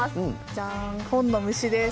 じゃん、本の虫です。